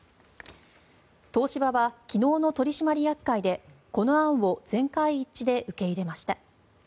東芝は昨日の取締役会でこの案を全会一致で受け入れました。